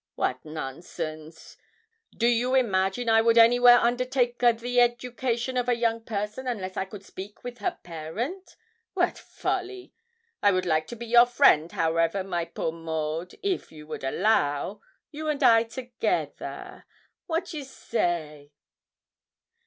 wat nonsense! Do you imagine I would anywhere undertake a the education of a young person unless I could speak with her parent? wat folly! I would like to be your friend, however, my poor Maud, if you would allow you and I together wat you say?'